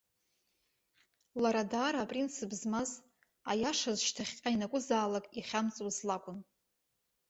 Лара даара апринцип змаз, аиашаз шьҭахьҟа ианакәызаалак ихьамҵуаз лакәын.